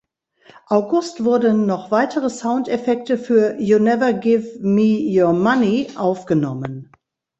August wurden noch weitere Soundeffekte für "You Never Give Me Your Money" aufgenommen.